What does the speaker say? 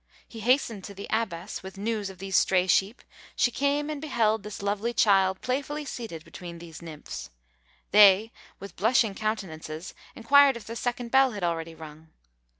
He hastened to the abbess with news of these stray sheep; she came and beheld this lovely child playfully seated between these nymphs; they, with blushing countenances, inquired if the second bell had already rung?